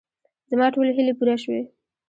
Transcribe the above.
زما ټولې هیلې پوره شوې.